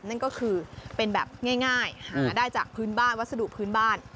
นั่นก็คือเป็นแบบง่ายหาได้จากพื้นบ้านวัสดุพื้นบ้าน